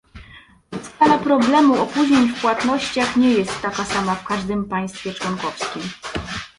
Skala problemu opóźnień w płatnościach nie jest taka sama w każdym państwie członkowskim